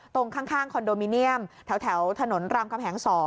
ตรงข้างคอนโดมิเนียมแถวถนนรามคำแหง๒